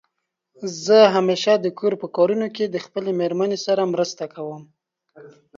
زه همېشه دکور په کارونو کې د خپلې مېرمنې سره مرسته کوم.